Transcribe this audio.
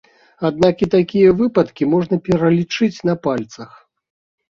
Аднак і такія выпадкі можна пералічыць на пальцах.